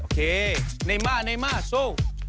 โอเคเนยม่าเนยม่าโชว์